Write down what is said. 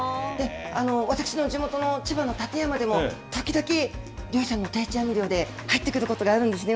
私の地元の千葉の館山でも、時々、漁師さんの定置網漁で入ってくることがあるんですね。